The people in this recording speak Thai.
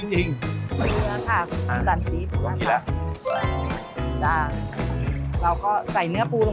ต้องมากินเลยเว้าคุ้มจริง